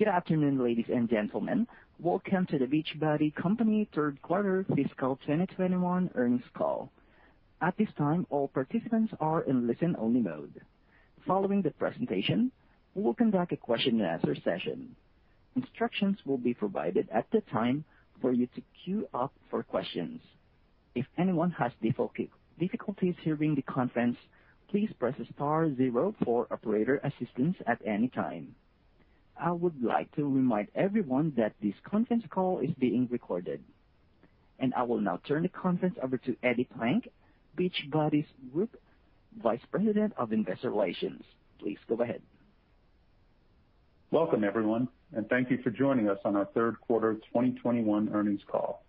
Good afternoon, ladies and gentlemen. Welcome to The Beachbody Company third quarter fiscal 2021 earnings call. At this time, all participants are in listen-only mode. Following the presentation, we'll conduct a question and answer session. Instructions will be provided at the time for you to queue up for questions. If anyone has difficulties hearing the conference, please press star zero for operator assistance at any time. I would like to remind everyone that this conference call is being recorded. I will now turn the conference over to Eddie Plank, The Beachbody's Group Vice President of Investor Relations. Please go ahead. Welcome, everyone, and thank you for joining us on our third quarter 2021 earnings call.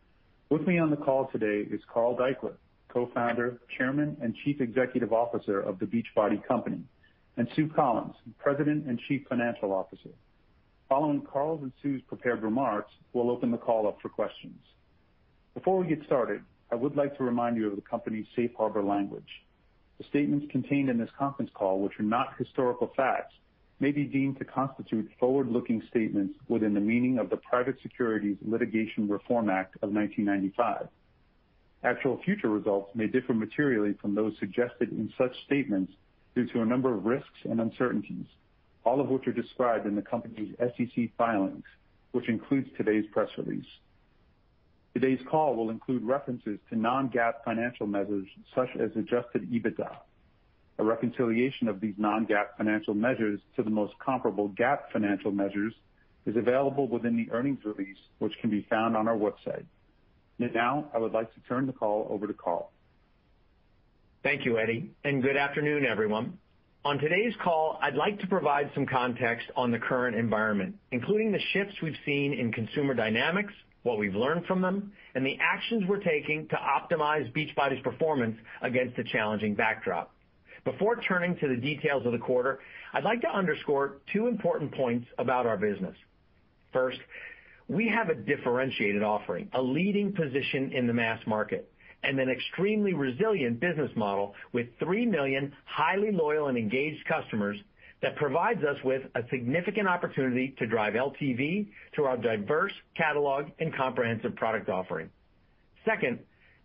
With me on the call today is Carl Daikeler, Co-founder, Chairman, and Chief Executive Officer of The Beachbody Company, and Sue Collyns, President and Chief Financial Officer. Following Carl's and Sue's prepared remarks, we'll open the call up for questions. Before we get started, I would like to remind you of the company's safe harbor language. The statements contained in this conference call, which are not historical facts, may be deemed to constitute forward-looking statements within the meaning of the Private Securities Litigation Reform Act of 1995. Actual future results may differ materially from those suggested in such statements due to a number of risks and uncertainties, all of which are described in the company's SEC filings, which includes today's press release. Today's call will include references to non-GAAP financial measures such as adjusted EBITDA. A reconciliation of these non-GAAP financial measures to the most comparable GAAP financial measures is available within the earnings release, which can be found on our website. I would like to turn the call over to Carl. Thank you, Eddie, and good afternoon, everyone. On today's call, I'd like to provide some context on the current environment, including the shifts we've seen in consumer dynamics, what we've learned from them, and the actions we're taking to optimize Beachbody's performance against a challenging backdrop. Before turning to the details of the quarter, I'd like to underscore two important points about our business. First, we have a differentiated offering, a leading position in the mass market, and an extremely resilient business model with 3 million highly loyal and engaged customers that provides us with a significant opportunity to drive LTV through our diverse catalog and comprehensive product offering. Second,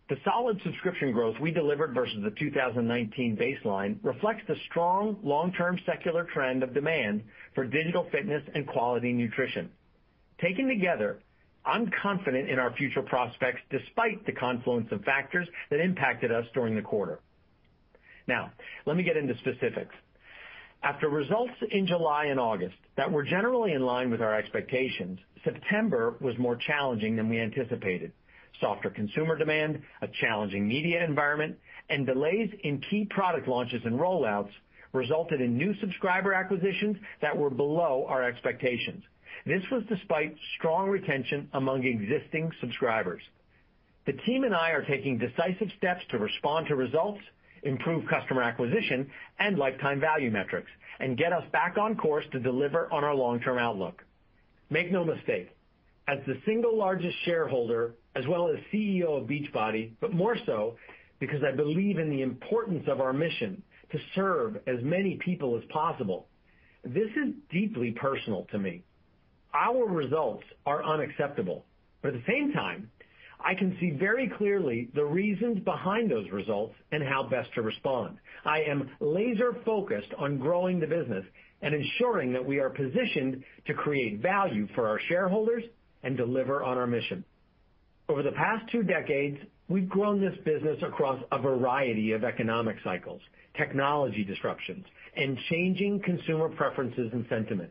the solid subscription growth we delivered versus the 2019 baseline reflects the strong long-term secular trend of demand for digital fitness and quality nutrition. Taken together, I'm confident in our future prospects despite the confluence of factors that impacted us during the quarter. Now, let me get into specifics. After results in July and August that were generally in line with our expectations, September was more challenging than we anticipated. Softer consumer demand, a challenging media environment, and delays in key product launches and rollouts resulted in new subscriber acquisitions that were below our expectations. This was despite strong retention among existing subscribers. The team and I are taking decisive steps to respond to results, improve customer acquisition and lifetime value metrics, and get us back on course to deliver on our long-term outlook. Make no mistake, as the single largest shareholder as well as CEO of Beachbody, but more so because I believe in the importance of our mission to serve as many people as possible, this is deeply personal to me. Our results are unacceptable, but at the same time, I can see very clearly the reasons behind those results and how best to respond. I am laser-focused on growing the business and ensuring that we are positioned to create value for our shareholders and deliver on our mission. Over the past two decades, we've grown this business across a variety of economic cycles, technology disruptions, and changing consumer preferences and sentiment.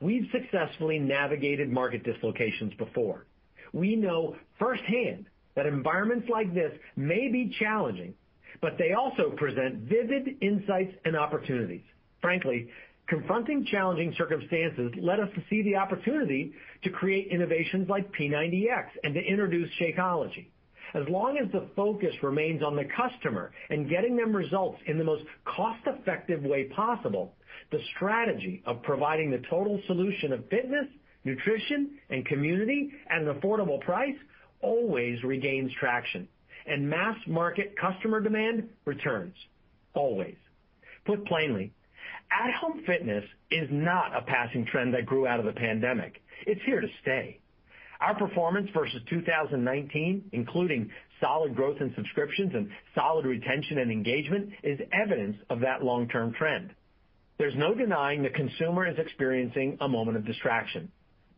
We've successfully navigated market dislocations before. We know firsthand that environments like this may be challenging, but they also present vivid insights and opportunities. Frankly, confronting challenging circumstances led us to see the opportunity to create innovations like P90X and to introduce Shakeology. As long as the focus remains on the customer and getting them results in the most cost-effective way possible, the strategy of providing the total solution of fitness, nutrition, and community at an affordable price always regains traction, and mass market customer demand returns always. Put plainly, at-home fitness is not a passing trend that grew out of the pandemic. It's here to stay. Our performance versus 2019, including solid growth in subscriptions and solid retention and engagement, is evidence of that long-term trend. There's no denying the consumer is experiencing a moment of distraction.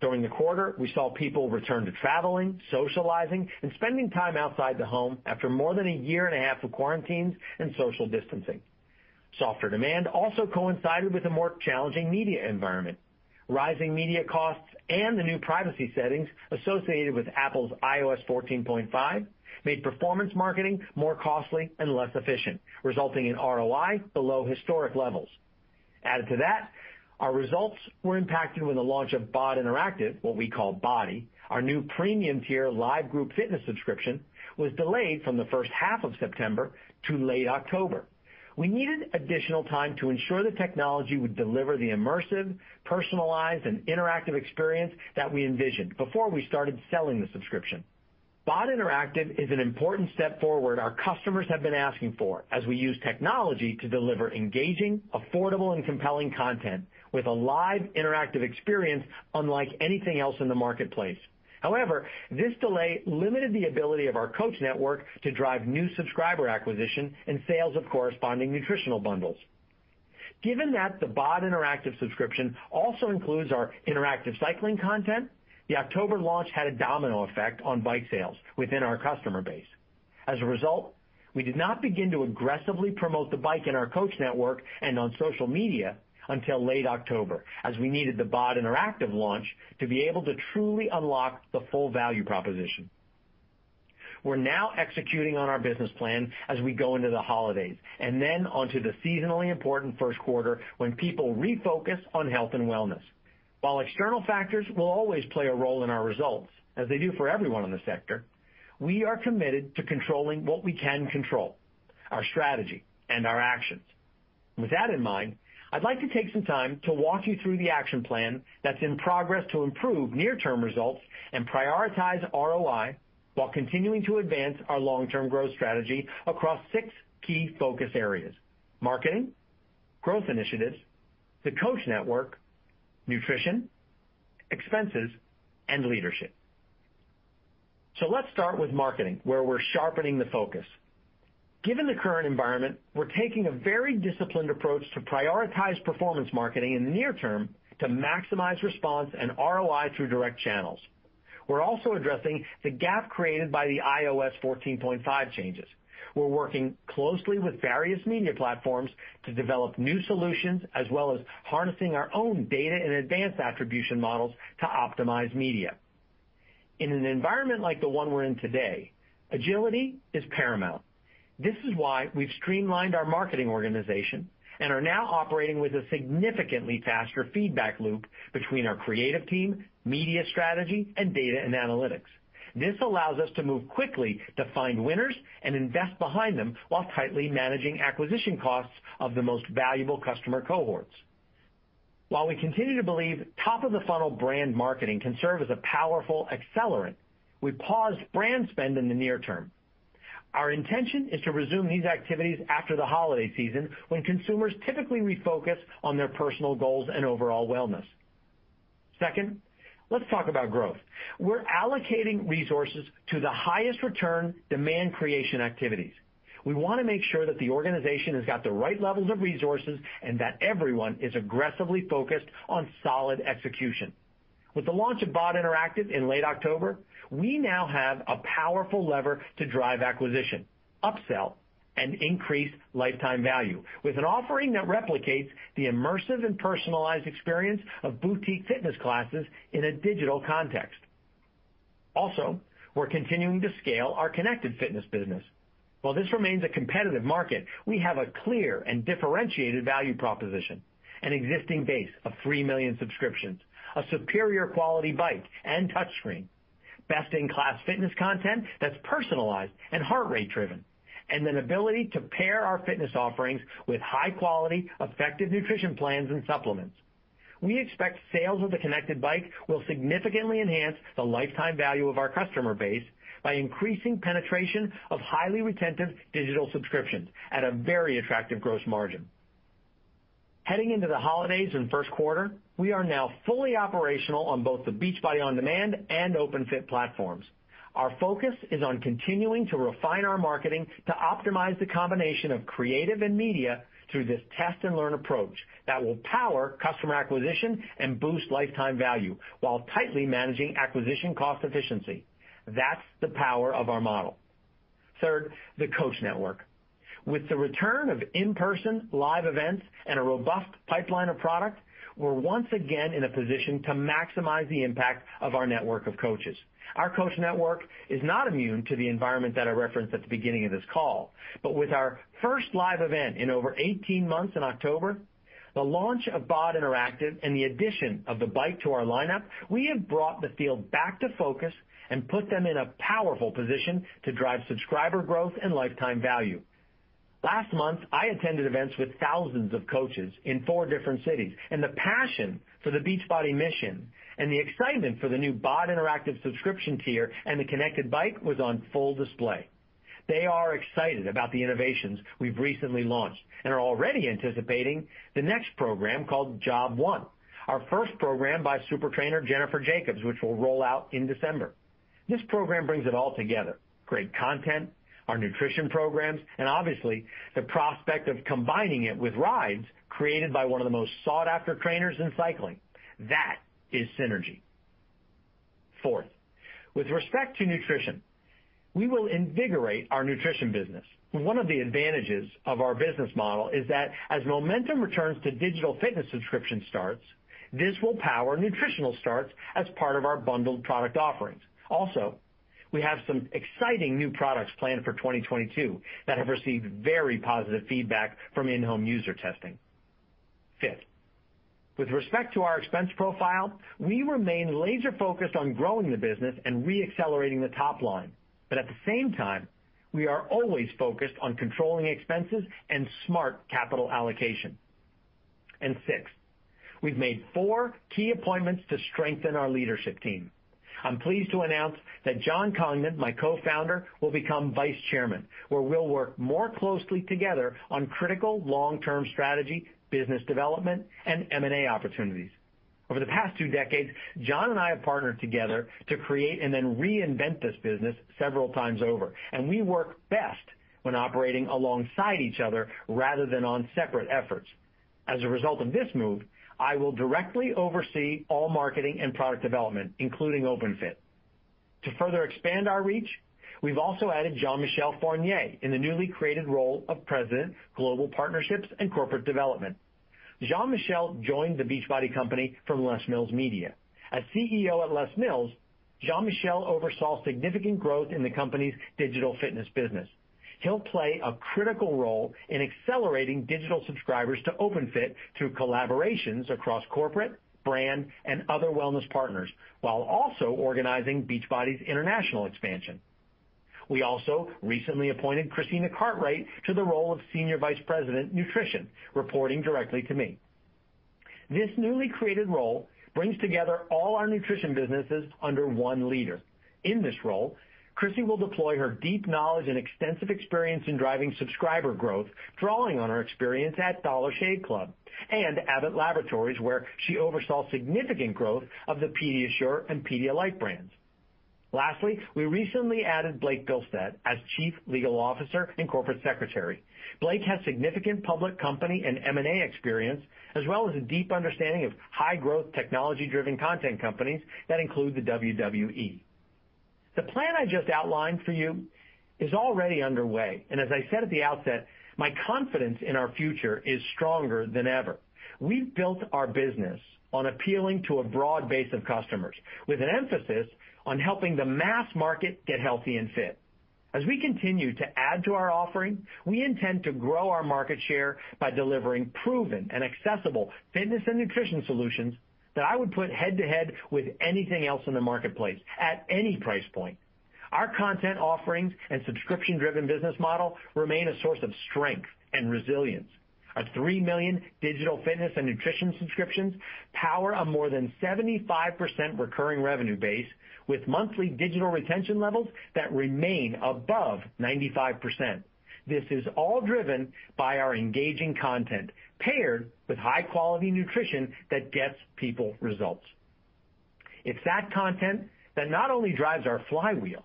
During the quarter, we saw people return to traveling, socializing, and spending time outside the home after more than a year and a half of quarantines and social distancing. Softer demand also coincided with a more challenging media environment. Rising media costs and the new privacy settings associated with Apple's iOS 14.5 made performance marketing more costly and less efficient, resulting in ROI below historic levels. Our results were impacted when the launch of BODi Interactive, what we call BODi, our new premium-tier live group fitness subscription, was delayed from the first half of September to late October. We needed additional time to ensure the technology would deliver the immersive, personalized, and interactive experience that we envisioned before we started selling the subscription. BODi Interactive is an important step forward for our customers have been asking for as we use technology to deliver engaging, affordable, and compelling content with a live interactive experience unlike anything else in the marketplace. However, this delay limited the ability of our coach network to drive new subscriber acquisition and sales of corresponding nutritional bundles. Given that the BODi Interactive subscription also includes our interactive cycling content, the October launch had a domino effect on bike sales within our customer base. As a result, we did not begin to aggressively promote the bike in our coach network and on social media until late October, as we needed the BODi Interactive launch to be able to truly unlock the full value proposition. We're now executing on our business plan as we go into the holidays, and then onto the seasonally important first quarter when people refocus on health and wellness. While external factors will always play a role in our results, as they do for everyone in the sector, we are committed to controlling what we can control, our strategy and our actions. With that in mind, I'd like to take some time to walk you through the action plan that's in progress to improve near-term results and prioritize ROI while continuing to advance our long-term growth strategy across six key focus areas, marketing, growth initiatives, the coach network, nutrition, expenses, and leadership. Let's start with marketing, where we're sharpening the focus. Given the current environment, we're taking a very disciplined approach to prioritize performance marketing in the near term to maximize response and ROI through direct channels. We're also addressing the gap created by the iOS 14.5 changes. We're working closely with various media platforms to develop new solutions, as well as harnessing our own data and advanced attribution models to optimize media. In an environment like the one we're in today, agility is paramount. This is why we've streamlined our marketing organization and are now operating with a significantly faster feedback loop between our creative team, media strategy, and data and analytics. This allows us to move quickly to find winners and invest behind them while tightly managing acquisition costs of the most valuable customer cohorts. While we continue to believe top-of-the-funnel brand marketing can serve as a powerful accelerant, we paused brand spend in the near term. Our intention is to resume these activities after the holiday season when consumers typically refocus on their personal goals and overall wellness. Second, let's talk about growth. We're allocating resources to the highest return demand creation activities. We wanna make sure that the organization has got the right levels of resources and that everyone is aggressively focused on solid execution. With the launch of BODi Interactive in late October, we now have a powerful lever to drive acquisition, upsell, and increase lifetime value with an offering that replicates the immersive and personalized experience of boutique fitness classes in a digital context. We're continuing to scale our Connected Fitness business. While this remains a competitive market, we have a clear and differentiated value proposition, an existing base of 3 million subscriptions, a superior quality bike and touchscreen, best-in-class fitness content that's personalized and heart rate driven, and an ability to pair our fitness offerings with high-quality, effective nutrition plans and supplements. We expect sales of the Connected Bike will significantly enhance the lifetime value of our customer base by increasing penetration of highly retentive digital subscriptions at a very attractive gross margin. Heading into the holidays in first quarter, we are now fully operational on both the Beachbody On Demand and Openfit platforms. Our focus is on continuing to refine our marketing to optimize the combination of creative and media through this test and learn approach that will power customer acquisition and boost lifetime value while tightly managing acquisition cost efficiency. That's the power of our model. Third, the coach network. With the return of in-person live events and a robust pipeline of product, we're once again in a position to maximize the impact of our network of coaches. Our coach network is not immune to the environment that I referenced at the beginning of this call. With our first live event in over 18 months in October, the launch of BODi Interactive, and the addition of the bike to our lineup, we have brought the field back to focus and put them in a powerful position to drive subscriber growth and lifetime value. Last month, I attended events with thousands of coaches in four different cities, and the passion for the Beachbody mission and the excitement for the new BODi Interactive subscription tier and the Connected Bike was on full display. They are excited about the innovations we've recently launched and are already anticipating the next program called Job 1, our first program by Super Trainer Jennifer Jacobs, which will roll out in December. This program brings it all together, great content, our nutrition programs, and obviously, the prospect of combining it with rides created by one of the most sought-after trainers in cycling. That is synergy. Fourth, with respect to nutrition, we will invigorate our nutrition business. One of the advantages of our business model is that as momentum returns to digital fitness subscription starts, this will power nutritional starts as part of our bundled product offerings. Also, we have some exciting new products planned for 2022 that have received very positive feedback from in-home user testing. Fifth, with respect to our expense profile, we remain laser-focused on growing the business and re-accelerating the top line. At the same time, we are always focused on controlling expenses and smart capital allocation. Sixth, we've made four key appointments to strengthen our leadership team. I'm pleased to announce that Jon Congdon, my co-founder, will become Vice Chairman, where we'll work more closely together on critical long-term strategy, business development, and M&A opportunities. Over the past two decades, John and I have partnered together to create and then reinvent this business several times over, and we work best when operating alongside each other rather than on separate efforts. As a result of this move, I will directly oversee all marketing and product development, including Openfit. To further expand our reach, we've also added Jean-Michel Fournier in the newly created role of President, Global Partnerships and Corporate Development. Jean-Michel joined The Beachbody Company from Les Mills Media. As CEO at Les Mills, Jean-Michel oversaw significant growth in the company's digital fitness business. He'll play a critical role in accelerating digital subscribers to Openfit through collaborations across corporate, brand, and other wellness partners, while also organizing Beachbody's international expansion. We also recently appointed Christina Cartwright to the role of Senior Vice President, Nutrition, reporting directly to me. This newly created role brings together all our nutrition businesses under one leader. In this role, Chrissy will deploy her deep knowledge and extensive experience in driving subscriber growth, drawing on her experience at Dollar Shave Club and Abbott Laboratories, where she oversaw significant growth of the PediaSure and Pedialyte brands. Lastly, we recently added Blake Gilstead as Chief Legal Officer and Corporate Secretary. Blake has significant public company and M&A experience, as well as a deep understanding of high-growth, technology-driven content companies that include the WWE. The plan I just outlined for you is already underway, and as I said at the outset, my confidence in our future is stronger than ever. We've built our business on appealing to a broad base of customers, with an emphasis on helping the mass market get healthy and fit. As we continue to add to our offering, we intend to grow our market share by delivering proven and accessible fitness and nutrition solutions that I would put head to head with anything else in the marketplace at any price point. Our content offerings and subscription-driven business model remain a source of strength and resilience. Our 3 million digital fitness and nutrition subscriptions power a more than 75% recurring revenue base with monthly digital retention levels that remain above 95%. This is all driven by our engaging content paired with high-quality nutrition that gets people results. It's that content that not only drives our flywheel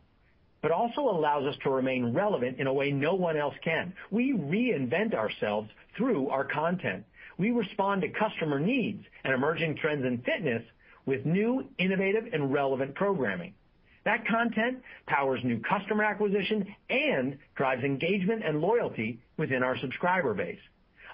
but also allows us to remain relevant in a way no one else can. We reinvent ourselves through our content. We respond to customer needs and emerging trends in fitness with new, innovative, and relevant programming. That content powers new customer acquisition and drives engagement and loyalty within our subscriber base.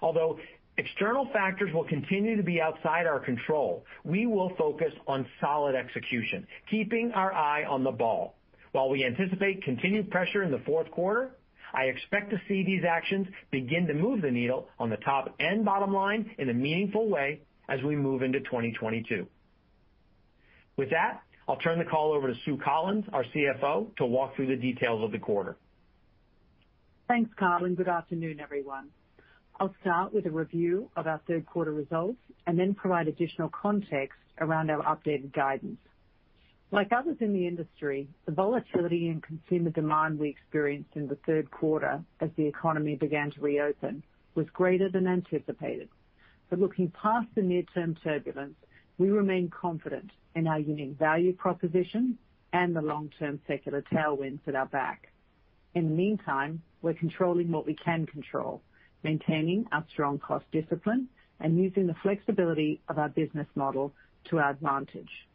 Although external factors will continue to be outside our control, we will focus on solid execution, keeping our eye on the ball. While we anticipate continued pressure in the fourth quarter, I expect to see these actions begin to move the needle on the top and bottom line in a meaningful way as we move into 2022. With that, I'll turn the call over to Sue Collyns, our CFO, to walk through the details of the quarter. Thanks, Carl, and good afternoon, everyone. I'll start with a review of our third quarter results and then provide additional context around our updated guidance. Like others in the industry, the volatility in consumer demand we experienced in the third quarter as the economy began to reopen was greater than anticipated. But looking past the near-term turbulence, we remain confident in our unique value proposition and the long-term secular tailwinds at our back. In the meantime, we're controlling what we can control, maintaining our strong cost discipline and using the flexibility of our business model to our advantage.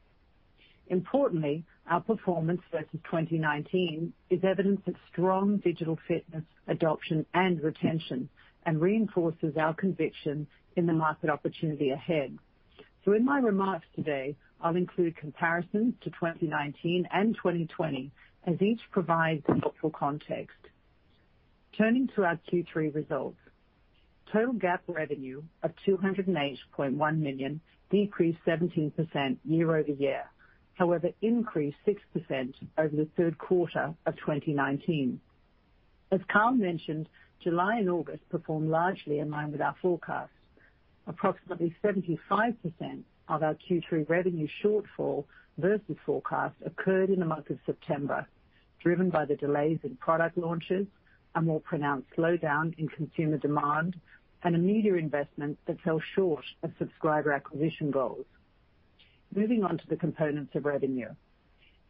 Importantly, our performance versus 2019 is evidence of strong digital fitness adoption and retention and reinforces our conviction in the market opportunity ahead. In my remarks today, I'll include comparisons to 2019 and 2020 as each provides useful context. Turning to our Q3 results. Total GAAP revenue of $208.1 million decreased 17% year-over-year. However, it increased 6% over the third quarter of 2019. As Carl mentioned, July and August performed largely in line with our forecasts. Approximately 75% of our Q3 revenue shortfall versus forecast occurred in the month of September, driven by the delays in product launches, a more pronounced slowdown in consumer demand, and a media investment that fell short of subscriber acquisition goals. Moving on to the components of revenue.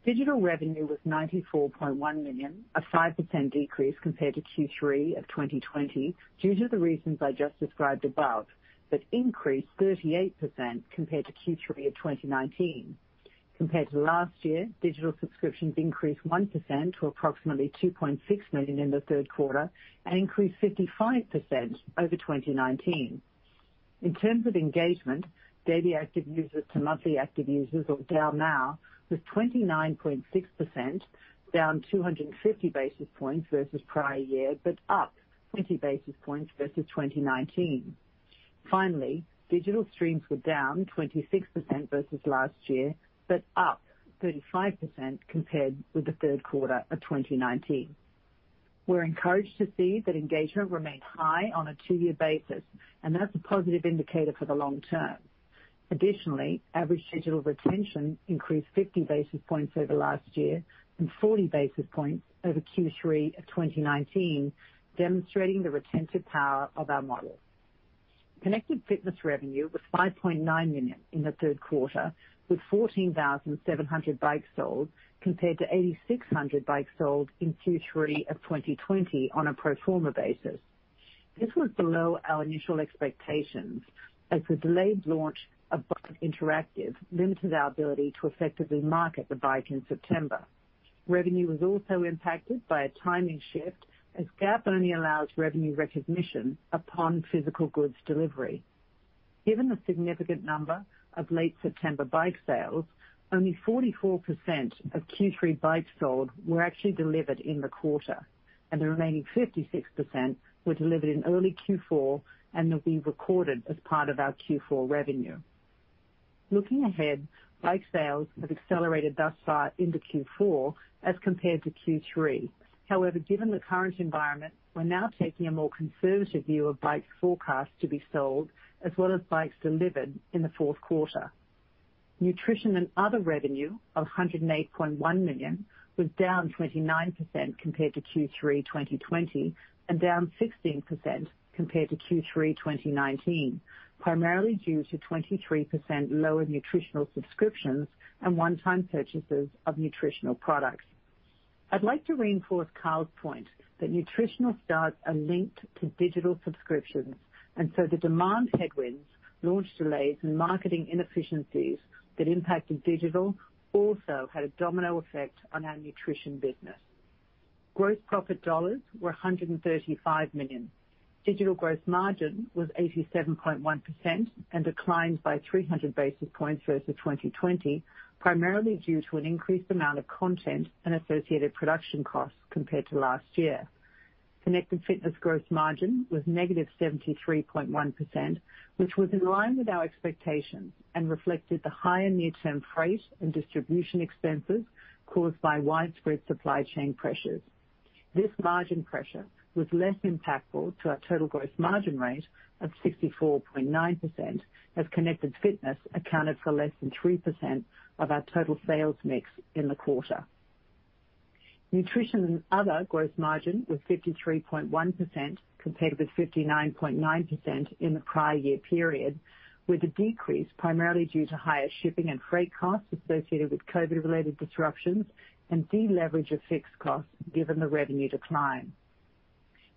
Digital revenue was $94.1 million, a 5% decrease compared to Q3 of 2020 due to the reasons I just described above, but increased 38% compared to Q3 of 2019. Compared to last year, digital subscriptions increased 1% to approximately 2.6 million in the third quarter and increased 55% over 2019. In terms of engagement, daily active users to monthly active users ratio was 29.6%, down 250 basis points versus prior year, but up 20 basis points versus 2019. Finally, digital streams were down 26% versus last year, but up 35% compared with the third quarter of 2019. We're encouraged to see that engagement remained high on a two-year basis, and that's a positive indicator for the long term. Additionally, average digital retention increased 50 basis points over last year and 40 basis points over Q3 of 2019, demonstrating the retentive power of our model. Connected Fitness revenue was $5.9 million in the third quarter, with 14,700 bikes sold compared to 8,600 bikes sold in Q3 of 2020 on a pro forma basis. This was below our initial expectations as the delayed launch of Bike Interactive limited our ability to effectively market the bike in September. Revenue was also impacted by a timing shift as GAAP only allows revenue recognition upon physical goods delivery. Given the significant number of late September bike sales, only 44% of Q3 bikes sold were actually delivered in the quarter, and the remaining 56% were delivered in early Q4 and will be recorded as part of our Q4 revenue. Looking ahead, bike sales have accelerated thus far into Q4 as compared to Q3. However, given the current environment, we're now taking a more conservative view of bikes forecast to be sold as well as bikes delivered in the fourth quarter. Nutrition and other revenue of $108.1 million was down 29% compared to Q3 2020 and down 16% compared to Q3 2019, primarily due to 23% lower nutritional subscriptions and one-time purchases of nutritional products. I'd like to reinforce Carl's point that nutritional starts are linked to digital subscriptions, and so the demand headwinds, launch delays, and marketing inefficiencies that impacted digital also had a domino effect on our nutrition business. Gross profit dollars were $135 million. Digital gross margin was 87.1% and declined by 300 basis points versus 2020, primarily due to an increased amount of content and associated production costs compared to last year. Connected Fitness gross margin was -73.1%, which was in line with our expectations and reflected the higher near-term freight and distribution expenses caused by widespread supply chain pressures. This margin pressure was less impactful to our total gross margin rate of 64.9%, as Connected Fitness accounted for less than 3% of our total sales mix in the quarter. Nutrition and other gross margin was 53.1% compared with 59.9% in the prior year period, with the decrease primarily due to higher shipping and freight costs associated with COVID-related disruptions and deleverage of fixed costs given the revenue decline.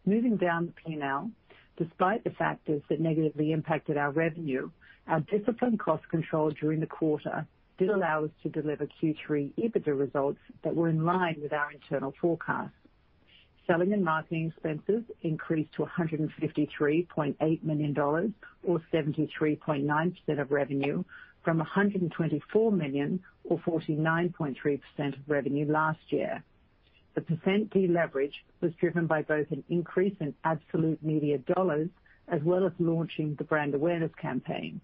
Moving down the P&L, despite the factors that negatively impacted our revenue, our disciplined cost control during the quarter did allow us to deliver Q3 EBITDA results that were in line with our internal forecasts. Selling and marketing expenses increased to $153.8 million or 73.9% of revenue from $124 million or 49.3% of revenue last year. The percent deleverage was driven by both an increase in absolute media dollars as well as launching the brand awareness campaign.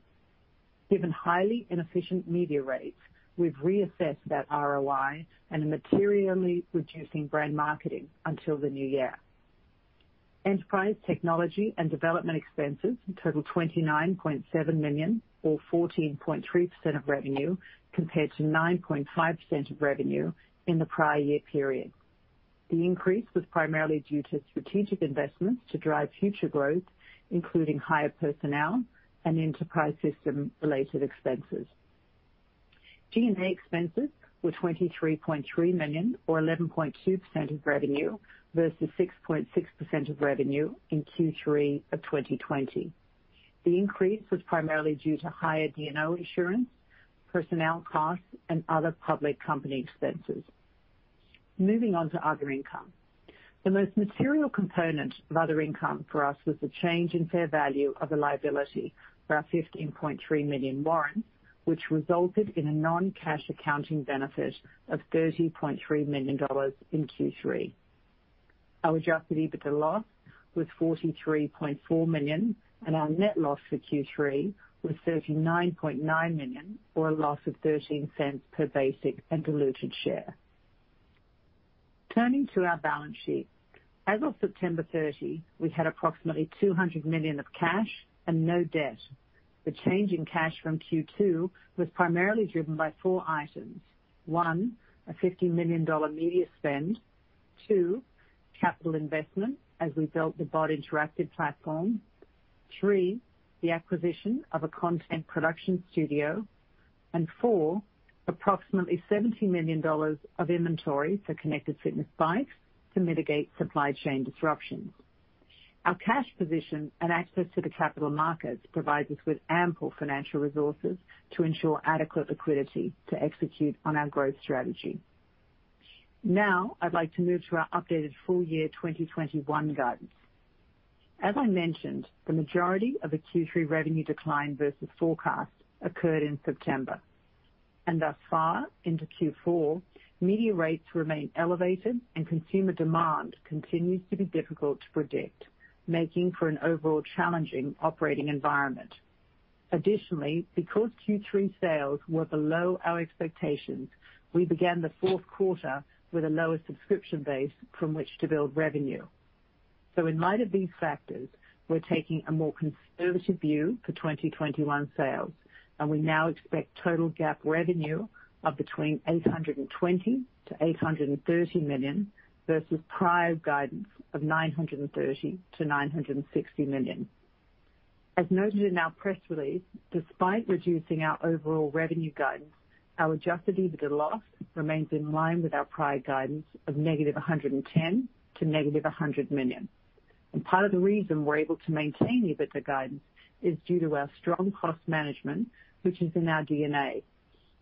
Given highly inefficient media rates, we've reassessed that ROI and are materially reducing brand marketing until the new year. Enterprise technology and development expenses total $29.7 million or 14.3% of revenue compared to 9.5% of revenue in the prior year period. The increase was primarily due to strategic investments to drive future growth, including higher personnel and enterprise system-related expenses. G&A expenses were $23.3 million or 11.2% of revenue versus 6.6% of revenue in Q3 of 2020. The increase was primarily due to higher D&O insurance, personnel costs, and other public company expenses. Moving on to other income. The most material component of other income for us was the change in fair value of a liability for our 15.3 million warrants, which resulted in a non-cash accounting benefit of $30.3 million in Q3. Our adjusted EBITDA loss was $43.4 million, and our net loss for Q3 was $39.9 million or a loss of $0.13 per basic and diluted share. Turning to our balance sheet. As of September 30, we had approximately $200 million of cash and no debt. The change in cash from Q2 was primarily driven by four items: 1, a $50 million media spend, 2, capital investment as we built the BODi Interactive platform, 3, the acquisition of a content production studio, and 4, approximately $70 million of inventory for Connected Fitness bikes to mitigate supply chain disruptions. Our cash position and access to the capital markets provides us with ample financial resources to ensure adequate liquidity to execute on our growth strategy. Now I'd like to move to our updated full year 2021 guidance. As I mentioned, the majority of the Q3 revenue decline versus forecast occurred in September. Thus far into Q4, media rates remain elevated and consumer demand continues to be difficult to predict, making for an overall challenging operating environment. Additionally, because Q3 sales were below our expectations, we began the fourth quarter with a lower subscription base from which to build revenue. In light of these factors, we're taking a more conservative view for 2021 sales, and we now expect total GAAP revenue of between $820 million-$830 million, versus prior guidance of $930 million-$960 million. As noted in our press release, despite reducing our overall revenue guidance, our Adjusted EBITDA loss remains in line with our prior guidance of -$110 million to -$100 million. Part of the reason we're able to maintain EBITDA guidance is due to our strong cost management, which is in our DNA.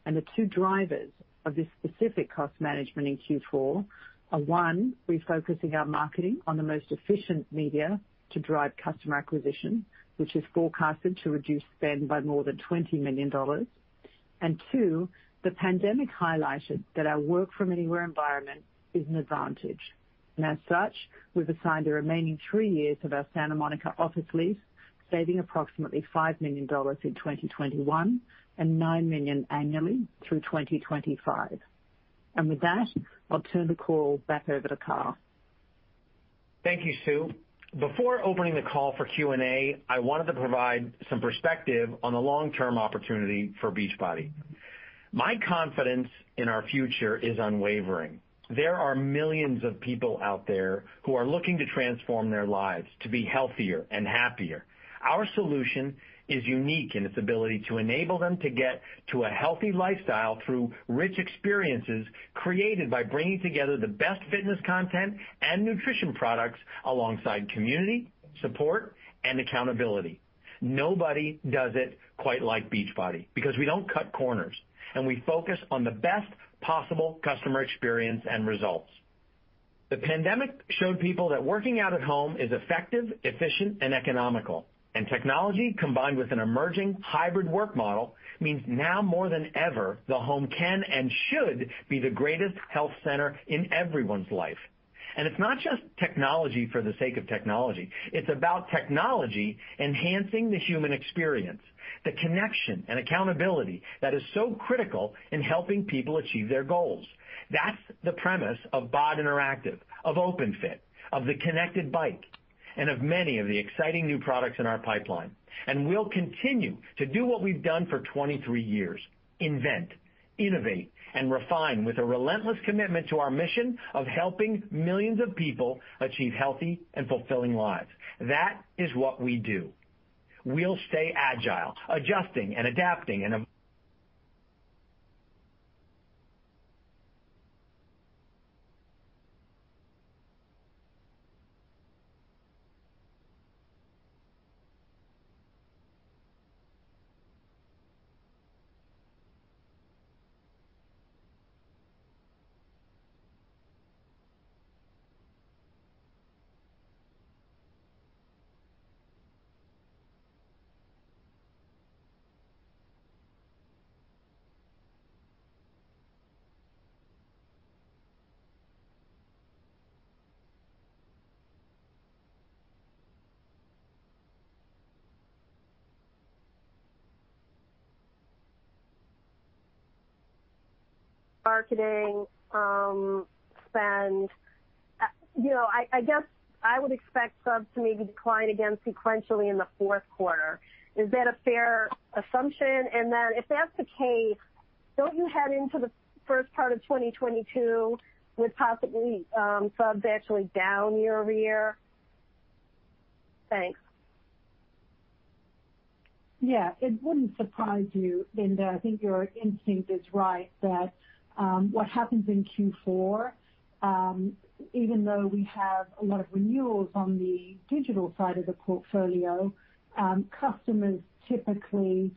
The two drivers of this specific cost management in Q4 are, one, refocusing our marketing on the most efficient media to drive customer acquisition, which is forecasted to reduce spend by more than $20 million. Two, the pandemic highlighted that our work-from-anywhere environment is an advantage. As such, we've assigned the remaining three years of our Santa Monica office lease, saving approximately $5 million in 2021 and $9 million annually through 2025. With that, I'll turn the call back over to Carl. Thank you, Sue. Before opening the call for Q&A, I wanted to provide some perspective on the long-term opportunity for Beachbody. My confidence in our future is unwavering. There are millions of people out there who are looking to transform their lives to be healthier and happier. Our solution is unique in its ability to enable them to get to a healthy lifestyle through rich experiences created by bringing together the best fitness content and nutrition products alongside community, support, and accountability. Nobody does it quite like Beachbody because we don't cut corners, and we focus on the best possible customer experience and results. The pandemic showed people that working out at home is effective, efficient, and economical. Technology, combined with an emerging hybrid work model, means now more than ever, the home can and should be the greatest health center in everyone's life. It's not just technology for the sake of technology. It's about technology enhancing the human experience, the connection and accountability that is so critical in helping people achieve their goals. That's the premise of BODi Interactive, of Openfit, of the Connected Bike, and of many of the exciting new products in our pipeline. We'll continue to do what we've done for 23 years. Invent, innovate, and refine with a relentless commitment to our mission of helping millions of people achieve healthy and fulfilling lives. That is what we do. We'll stay agile, adjusting and adapting and- Marketing spend. You know, I guess I would expect subs to maybe decline again sequentially in the fourth quarter. Is that a fair assumption? If that's the case, don't you head into the first part of 2022 with possibly subs actually down year over year? Thanks. Yeah. It wouldn't surprise you, Linda. I think your instinct is right that what happens in Q4, even though we have a lot of renewals on the digital side of the portfolio, customers typically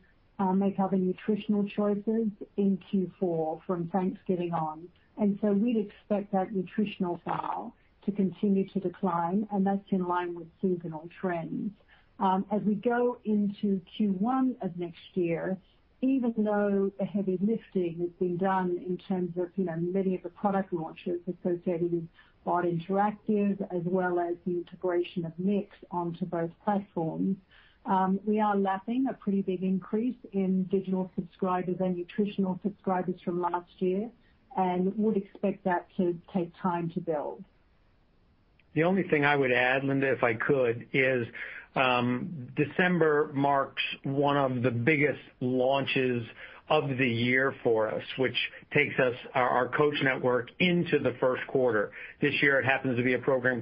make other nutritional choices in Q4 from Thanksgiving on. We'd expect that nutritional sale to continue to decline, and that's in line with seasonal trends. As we go into Q1 of next year, even though the heavy lifting has been done in terms of, you know, many of the product launches associated with BODi Interactive as well as the integration of MYX onto both platforms, we are lapping a pretty big increase in digital subscribers and nutritional subscribers from last year and would expect that to take time to build. The only thing I would add, Linda, if I could, is December marks one of the biggest launches of the year for us, which takes our coach network into the first quarter. This year, it happens to be a program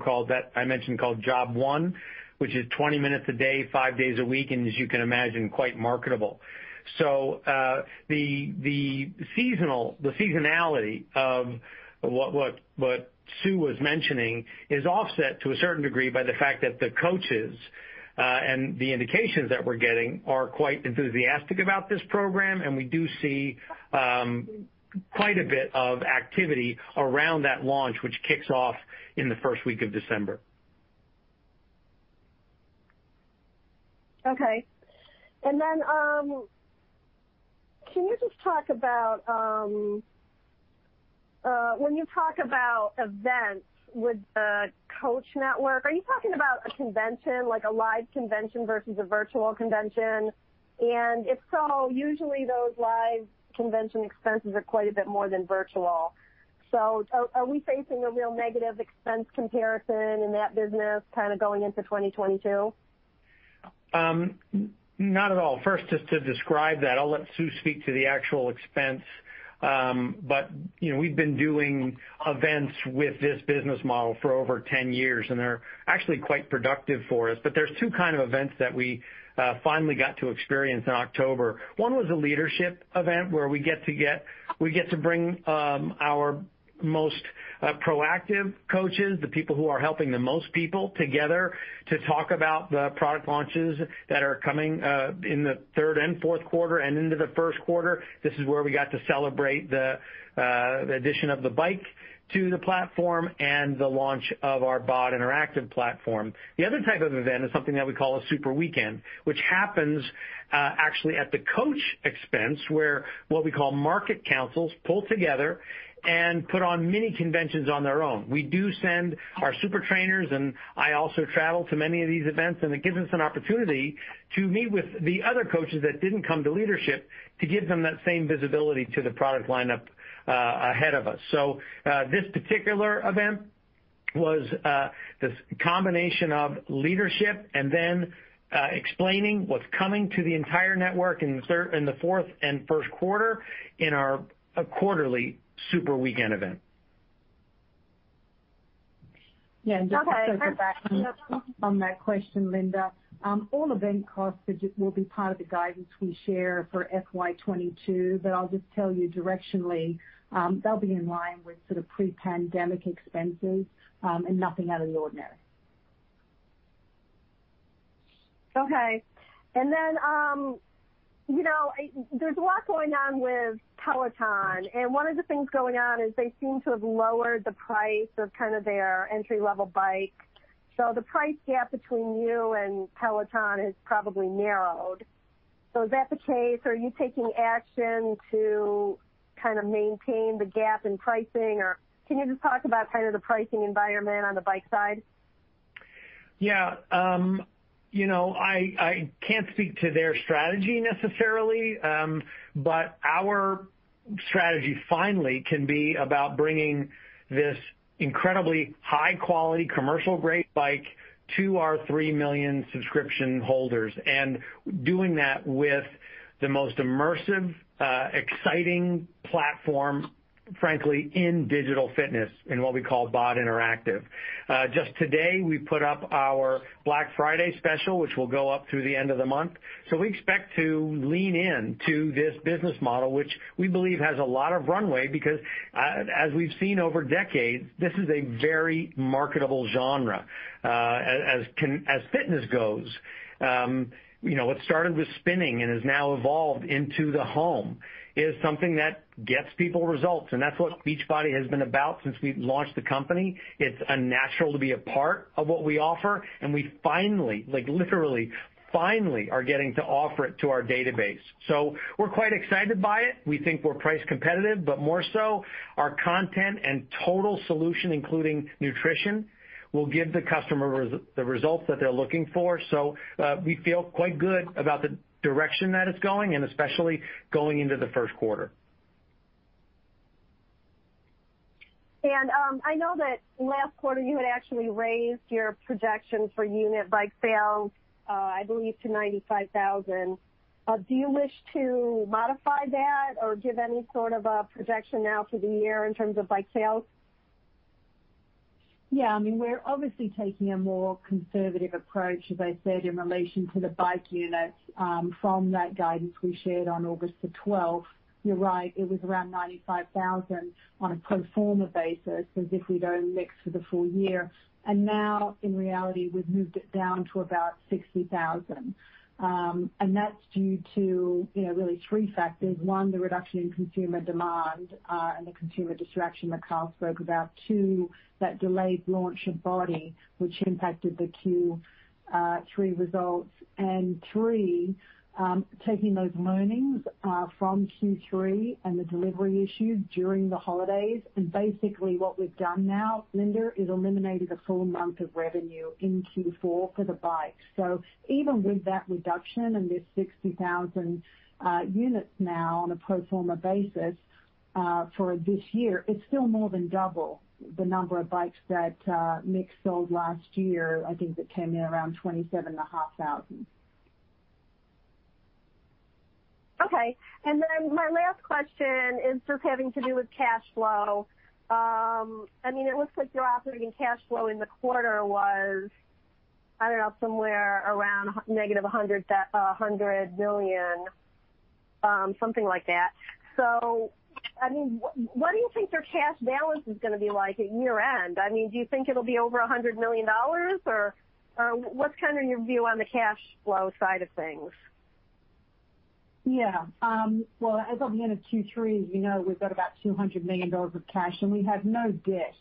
I mentioned called Job 1, which is 20 minutes a day, 5 days a week, and as you can imagine, quite marketable. The seasonality of what Sue was mentioning is offset to a certain degree by the fact that the coaches and the indications that we're getting are quite enthusiastic about this program, and we do see quite a bit of activity around that launch, which kicks off in the first week of December. Okay. Then, can you just talk about when you talk about events with the coach network, are you talking about a convention, like a live convention versus a virtual convention? If so, usually those live convention expenses are quite a bit more than virtual. Are we facing a real negative expense comparison in that business kind of going into 2022? Not at all. First, just to describe that, I'll let Sue speak to the actual expense. You know, we've been doing events with this business model for over 10 years, and they're actually quite productive for us. There's two kinds of events that we finally got to experience in October. One was a leadership event where we get to bring our most proactive coaches, the people who are helping the most people together to talk about the product launches that are coming in the third and fourth quarter and into the first quarter. This is where we got to celebrate the addition of the bike to the platform and the launch of our BODi Interactive platform. The other type of event is something that we call a Super Weekend, which happens, actually at the coach expense, where what we call market councils pull together and put on mini conventions on their own. We do send our Super Trainers, and I also travel to many of these events, and it gives us an opportunity to meet with the other coaches that didn't come to leadership to give them that same visibility to the product lineup ahead of us. This particular event was this combination of leadership and then explaining what's coming to the entire network in the third and the fourth and first quarter in our quarterly Super Weekend event. Okay. Perfect. Yeah, just to focus on that question, Linda, all event costs will be part of the guidance we share for FY 2022, but I'll just tell you directionally, they'll be in line with sort of pre-pandemic expenses, and nothing out of the ordinary. Okay. You know, there's a lot going on with Peloton, and one of the things going on is they seem to have lowered the price of kind of their entry-level bike. The price gap between you and Peloton has probably narrowed. Is that the case? Are you taking action to kind of maintain the gap in pricing? Or can you just talk about kind of the pricing environment on the bike side? Yeah. You know, I can't speak to their strategy necessarily, but our strategy finally can be about bringing this incredibly high-quality, commercial-grade bike to our 3 million subscription holders and doing that with the most immersive, exciting platform, frankly, in digital fitness in what we call BODi Interactive. Just today, we put up our Black Friday special, which will go up through the end of the month. We expect to lean into this business model, which we believe has a lot of runway, because as we've seen over decades, this is a very marketable genre, as fitness goes. You know, what started with spinning and has now evolved into the home is something that gets people results, and that's what Beachbody has been about since we've launched the company. It's a natural to be a part of what we offer, and we finally, like, literally finally are getting to offer it to our database. We're quite excited by it. We think we're price competitive, but more so our content and total solution, including nutrition, will give the customer the results that they're looking for. We feel quite good about the direction that it's going and especially going into the first quarter. I know that last quarter you had actually raised your projection for unit bike sales, I believe to 95,000. Do you wish to modify that or give any sort of a projection now for the year in terms of bike sales? Yeah. I mean, we're obviously taking a more conservative approach, as I said, in relation to the bike units from that guidance we shared on August 12. You're right, it was around 95,000 on a pro forma basis, as if we'd owned MYX for the full year. Now, in reality, we've moved it down to about 60,000. That's due to, you know, really three factors. One, the reduction in consumer demand and the consumer distraction that Carl spoke about. Two, that delayed launch of BODi, which impacted the Q3 results. Three, taking those learnings from Q3 and the delivery issues during the holidays. Basically, what we've done now, Linda, is eliminated a full month of revenue in Q4 for the bikes. Even with that reduction and this 60,000 units now on a pro forma basis, for this year, it's still more than double the number of bikes that, MYX sold last year. I think it came in around 27,500. Okay. My last question is just having to do with cash flow. I mean, it looks like your operating cash flow in the quarter was, I don't know, somewhere around -$100 million, something like that. I mean, what do you think your cash balance is gonna be like at year-end? I mean, do you think it'll be over $100 million or what's kind of your view on the cash flow side of things? Yeah. Well, as of the end of Q3, as you know, we've got about $200 million of cash, and we have no debt.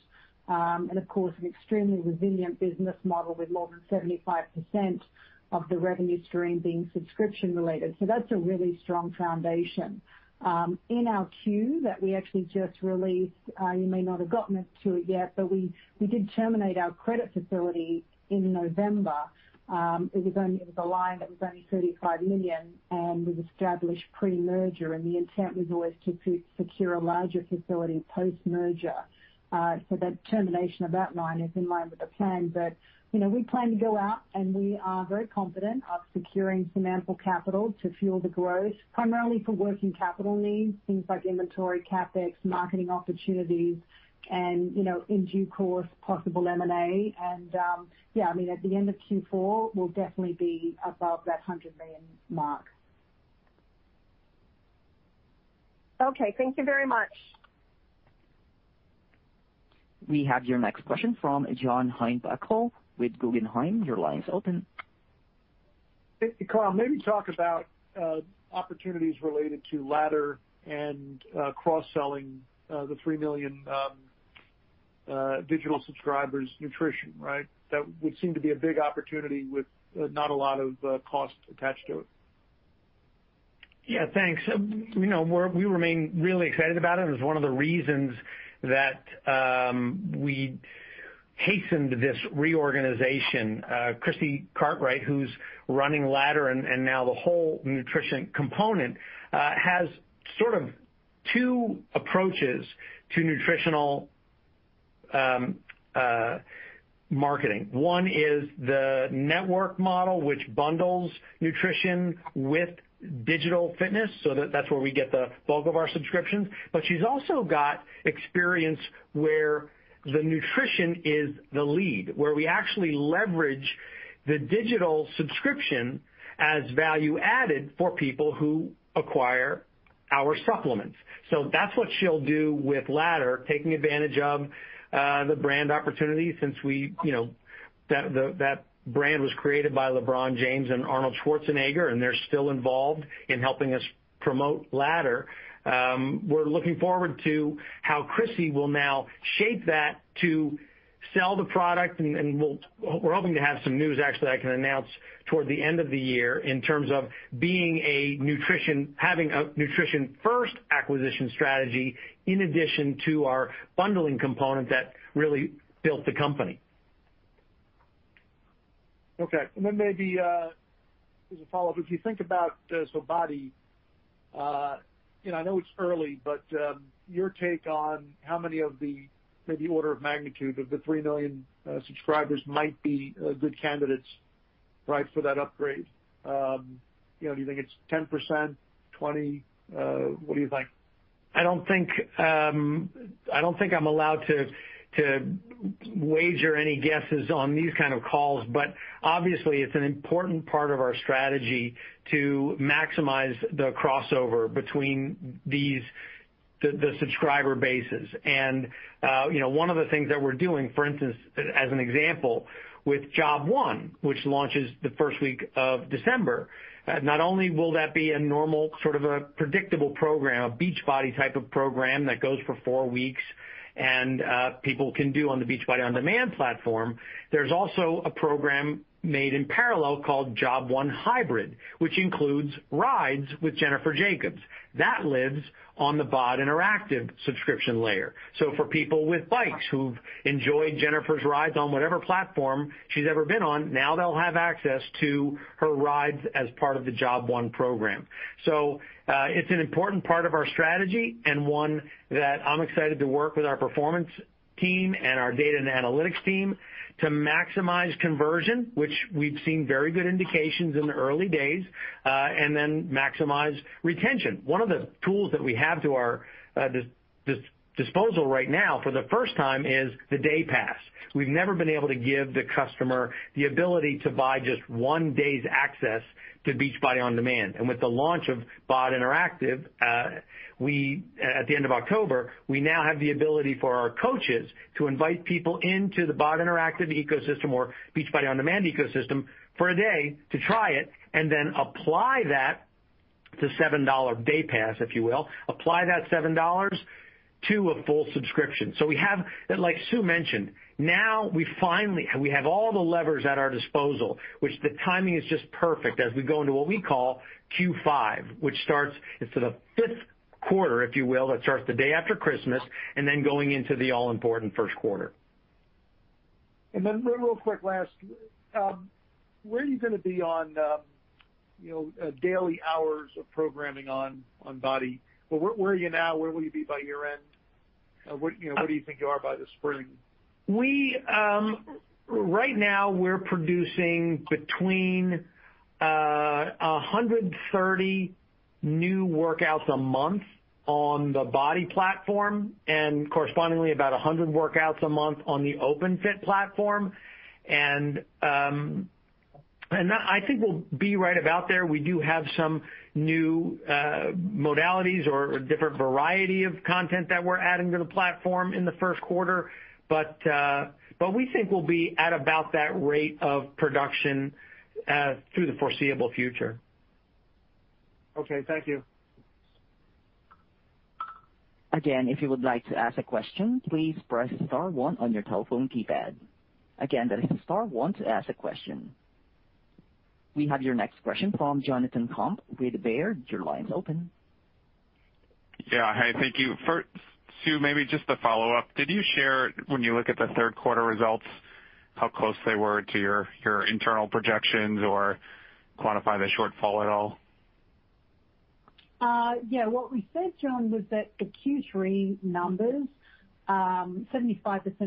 Of course, an extremely resilient business model with more than 75% of the revenue stream being subscription related. That's a really strong foundation. In our 10-Q that we actually just released, you may not have gotten to it yet, but we did terminate our credit facility in November. It was only a line that was only $35 million and was established pre-merger, and the intent was always to secure a larger facility post-merger. That termination of that line is in line with the plan. you know, we plan to go out, and we are very confident of securing some ample capital to fuel the growth, primarily for working capital needs, things like inventory, CapEx, marketing opportunities and, you know, in due course, possible M&A. yeah, I mean, at the end of Q4, we'll definitely be above that 100 million mark. Okay. Thank you very much. We have your next question from John Heinbockel with Guggenheim. Your line is open. Thank you. Carl, maybe talk about opportunities related to Ladder and cross-selling the 3 million digital subscribers, nutrition, right? That would seem to be a big opportunity with not a lot of cost attached to it. Yeah, thanks. You know, we remain really excited about it. It was one of the reasons that we hastened this reorganization. Chrissy Cartwright, who's running Ladder and now the whole nutrition component, has sort of two approaches to nutritional marketing. One is the network model, which bundles nutrition with digital fitness, so that's where we get the bulk of our subscriptions. She's also got experience where the nutrition is the lead, where we actually leverage the digital subscription as value added for people who acquire our supplements. That's what she'll do with Ladder, taking advantage of the brand opportunity since we, you know, that brand was created by LeBron James and Arnold Schwarzenegger, and they're still involved in helping us promote Ladder. We're looking forward to how Chrissy will now shape that to sell the product. We're hoping to have some news actually I can announce toward the end of the year in terms of having a nutrition-first acquisition strategy in addition to our bundling component that really built the company. Okay. Maybe, as a follow-up, if you think about, so BODi, you know, I know it's early, but, your take on how many of the maybe order of magnitude of the 3 million subscribers might be good candidates, right, for that upgrade. You know, do you think it's 10%, 20%? What do you think? I don't think I'm allowed to wager any guesses on these kind of calls, but obviously it's an important part of our strategy to maximize the crossover between these subscriber bases. You know, one of the things that we're doing, for instance, as an example, with Job 1, which launches the first week of December, not only will that be a normal sort of a predictable program, a Beachbody type of program that goes for four weeks and people can do on the Beachbody On Demand platform, there's also a program made in parallel called Job 1 Hybrid, which includes rides with Jennifer Jacobs. That lives on the BODi Interactive subscription layer. For people with bikes who've enjoyed Jennifer's rides on whatever platform she's ever been on, now they'll have access to her rides as part of the Job 1 program. It's an important part of our strategy and one that I'm excited to work with our performance team and our data and analytics team to maximize conversion, which we've seen very good indications in the early days, and then maximize retention. One of the tools that we have at our disposal right now for the first time is the day pass. We've never been able to give the customer the ability to buy just one day's access to Beachbody On Demand. With the launch of BODi Interactive at the end of October, we now have the ability for our coaches to invite people into the BODi Interactive ecosystem or Beachbody On Demand ecosystem for a day to try it and then apply that to $7 day pass, if you will, apply that $7 to a full subscription. Like Sue mentioned, now we finally have all the levers at our disposal, which the timing is just perfect as we go into what we call Q5, which starts, it's the fifth quarter, if you will, that starts the day after Christmas and then going into the all-important first quarter. Real quick, last. Where are you gonna be on, you know, daily hours of programming on BODi? Where are you now? Where will you be by year-end? You know, what do you think you are by the spring? We're right now producing between 130 new workouts a month on the BODi platform and correspondingly about 100 workouts a month on the Openfit platform. I think we'll be right about there. We do have some new modalities or different variety of content that we're adding to the platform in the first quarter. We think we'll be at about that rate of production through the foreseeable future. Okay. Thank you. Again, if you would like to ask a question, please press star one on your telephone keypad. Again, that is star one to ask a question. We have your next question from Jonathan Komp with Baird. Your line's open. Yeah. Hi. Thank you. First, Sue, maybe just a follow-up. Did you share when you look at the third quarter results, how close they were to your internal projections or quantify the shortfall at all? Yeah. What we said, Jon, was that the Q3 numbers, 75%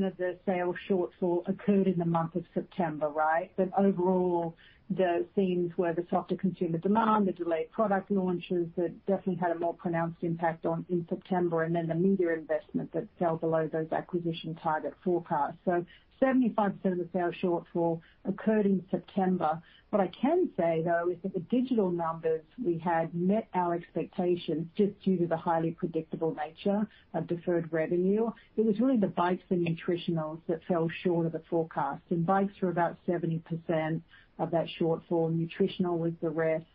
of the sales shortfall occurred in the month of September, right? Overall, the themes were the softer consumer demand, the delayed product launches that definitely had a more pronounced impact in September, and then the media investment that fell below those acquisition target forecasts. 75% of the sales shortfall occurred in September. What I can say, though, is that the digital numbers we had met our expectations just due to the highly predictable nature of deferred revenue. It was really the bikes and nutritionals that fell short of the forecast, and bikes were about 70% of that shortfall. Nutritional was the rest.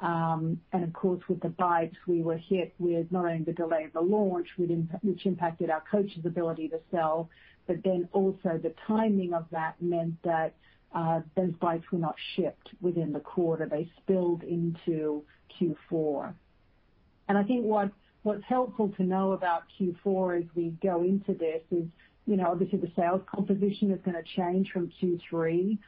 Of course, with the bikes, we were hit with not only the delay of the launch, which impacted our coaches' ability to sell, but then also the timing of that meant that those bikes were not shipped within the quarter. They spilled into Q4. I think what's helpful to know about Q4 as we go into this is, you know, obviously, the sales composition is gonna change from Q3,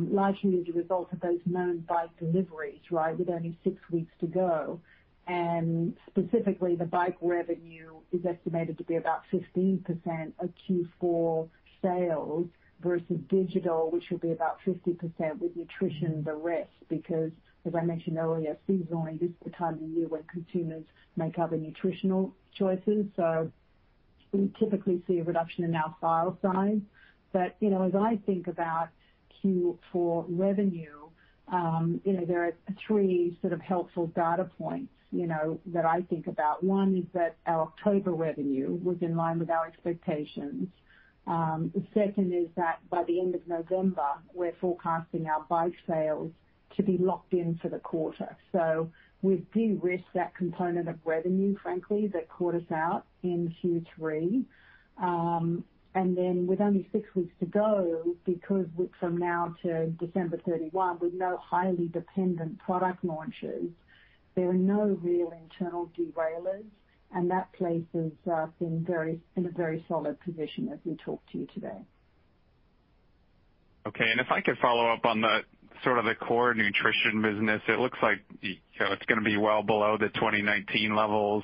largely as a result of those known bike deliveries, right, with only 6 weeks to go. Specifically, the bike revenue is estimated to be about 15% of Q4 sales versus digital, which will be about 50% with nutrition the rest, because as I mentioned earlier, seasonally, this is the time of year when consumers make other nutritional choices. We typically see a reduction in our file size. You know, as I think about Q4 revenue, you know, there are three sort of helpful data points, you know, that I think about. One is that our October revenue was in line with our expectations. The second is that by the end of November, we're forecasting our bike sales to be locked in for the quarter. We've de-risked that component of revenue, frankly, that caught us out in Q3. With only six weeks to go, because from now to December 31, with no highly dependent product launches, there are no real internal derailers, and that places us in a very solid position as we talk to you today. Okay. If I could follow up on the sort of the core nutrition business, it looks like you know, it's gonna be well below the 2019 levels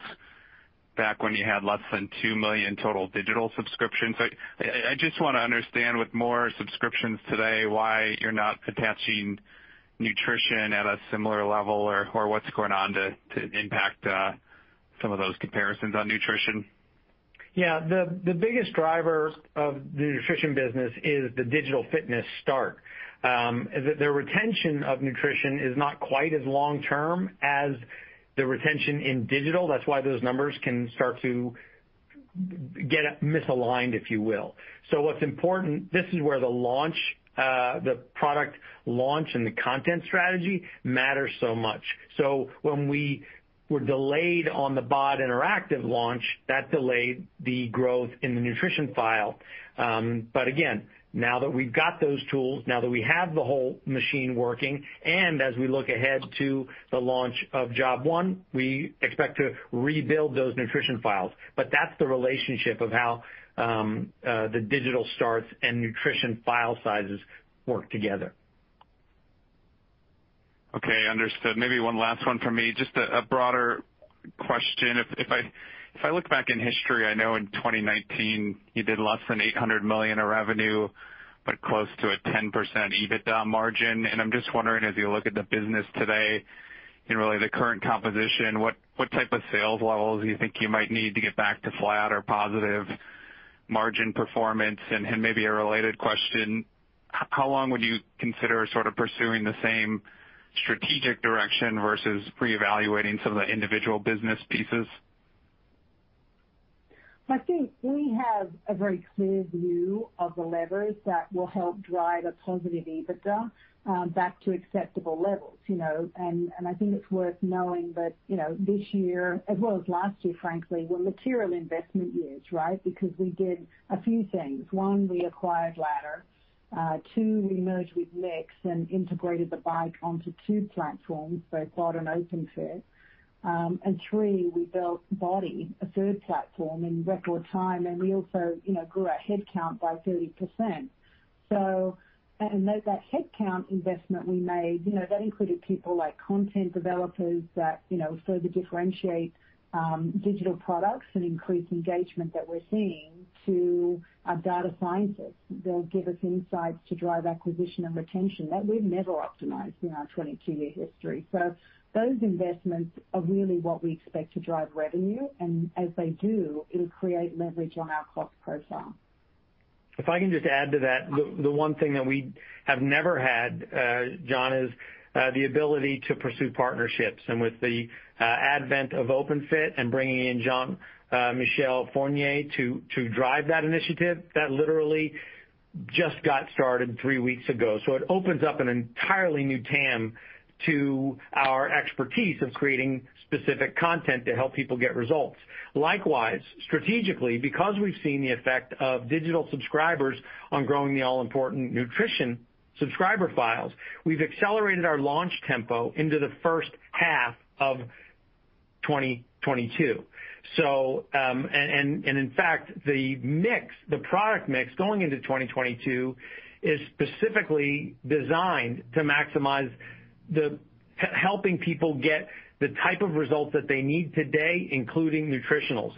back when you had less than 2 million total digital subscriptions. I just wanna understand, with more subscriptions today, why you're not attaching nutrition at a similar level or what's going on to impact some of those comparisons on nutrition. Yeah. The biggest driver of the nutrition business is the digital fitness subscription. The retention of nutrition is not quite as long-term as the retention in digital. That's why those numbers can start to get misaligned, if you will. What's important, this is where the launch, the product launch and the content strategy matters so much. When we were delayed on the BODi Interactive launch, that delayed the growth in the nutrition file. Again, now that we've got those tools, now that we have the whole machine working, and as we look ahead to the launch of Job 1, we expect to rebuild those nutrition files. That's the relationship of how the digital subscriptions and nutrition file sizes work together. Okay. Understood. Maybe one last one for me, just a broader question. If I look back in history, I know in 2019 you did less than $800 million of revenue, but close to a 10% EBITDA margin. I'm just wondering, as you look at the business today and really the current composition, what type of sales levels you think you might need to get back to flat or positive margin performance? Maybe a related question, how long would you consider sort of pursuing the same strategic direction versus reevaluating some of the individual business pieces? I think we have a very clear view of the levers that will help drive a positive EBITDA back to acceptable levels, you know. I think it's worth knowing that, you know, this year as well as last year, frankly, were material investment years, right? Because we did a few things. 1, we acquired Ladder. 2, we merged with MYX and integrated the bike onto two platforms, both BOD and Openfit. 3, we built BODi, a third platform in record time. We also, you know, grew our headcount by 30%. That headcount investment we made, you know, that included people like content developers that, you know, further differentiate digital products and increase engagement that we're seeing to our data scientists. They'll give us insights to drive acquisition and retention that we've never optimized in our 22-year history. Those investments are really what we expect to drive revenue. As they do, it'll create leverage on our cost profile. If I can just add to that. The one thing that we have never had, Jon, is the ability to pursue partnerships. With the advent of Openfit and bringing in Jean-Michel Fournier to drive that initiative, that literally just got started three weeks ago. It opens up an entirely new TAM to our expertise of creating specific content to help people get results. Likewise, strategically, because we've seen the effect of digital subscribers on growing the all-important nutrition subscriber files, we've accelerated our launch tempo into the first half of 2022. In fact, the product mix going into 2022 is specifically designed to maximize helping people get the type of results that they need today, including nutritionals.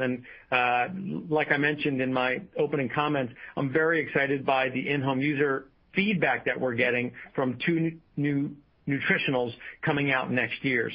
Like I mentioned in my opening comments, I'm very excited by the in-home user feedback that we're getting from two new nutritionals coming out next year.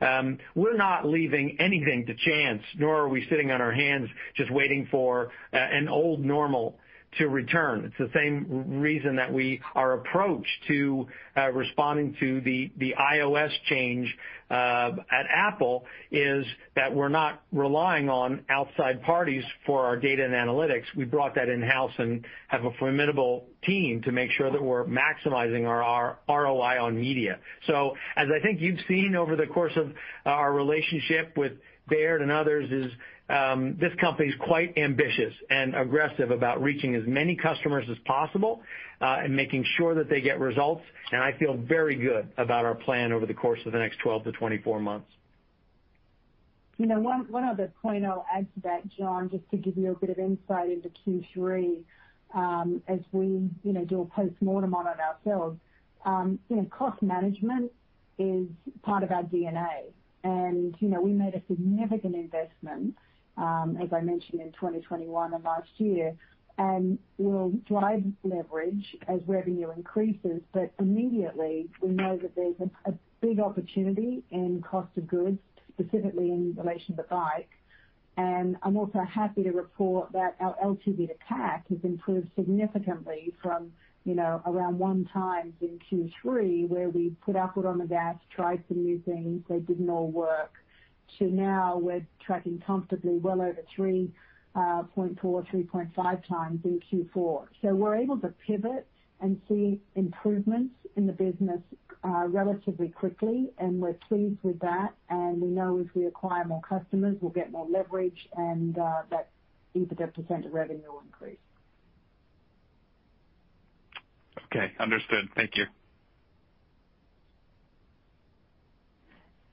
We're not leaving anything to chance, nor are we sitting on our hands just waiting for an old normal to return. It's the same reason that our approach to responding to the iOS change at Apple is that we're not relying on outside parties for our data and analytics. We brought that in-house and have a formidable team to make sure that we're maximizing our ROI on media. As I think you've seen over the course of our relationship with Baird and others, this company is quite ambitious and aggressive about reaching as many customers as possible, and making sure that they get results. I feel very good about our plan over the course of the next 12-24 months. You know, one other point I'll add to that, Jon, just to give you a bit of insight into Q3, as we, you know, do a postmortem on it ourselves. You know, cost management is part of our DNA. You know, we made a significant investment, as I mentioned in 2021 and last year, and we'll drive leverage as revenue increases. But immediately, we know that there's a big opportunity in cost of goods, specifically in relation to bike. I'm also happy to report that our LTV to CAC has improved significantly from, you know, around 1 times in Q3, where we put our foot on the gas, tried some new things, they didn't all work, to now we're tracking comfortably well over 3.4, 3.5 times in Q4. We're able to pivot and see improvements in the business, relatively quickly, and we're pleased with that. We know if we acquire more customers, we'll get more leverage and that EBITDA % of revenue will increase. Okay. Understood. Thank you.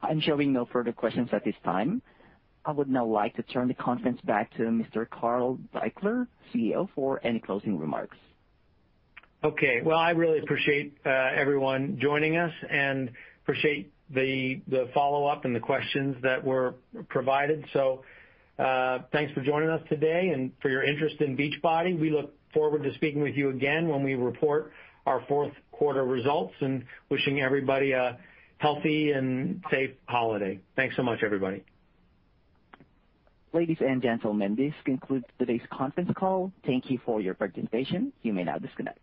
I'm showing no further questions at this time. I would now like to turn the conference back to Mr. Carl Daikeler, CEO, for any closing remarks. Well, I really appreciate everyone joining us and appreciate the follow-up and the questions that were provided. Thanks for joining us today and for your interest in Beachbody. We look forward to speaking with you again when we report our fourth quarter results and wishing everybody a healthy and safe holiday. Thanks so much, everybody. Ladies and gentlemen, this concludes today's conference call. Thank you for your participation. You may now disconnect.